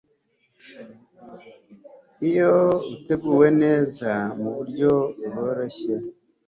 iyo uteguwe neza kandi mu buryo bworoshye